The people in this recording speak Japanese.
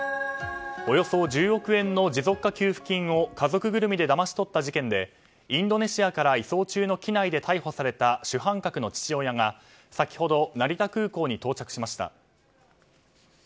およそ１０億円の持続化給付金を家族ぐるみでだまし取った事件でインドネシアから移送中の機内で逮捕された主犯格の父親が先ほど成田空港に到着しました。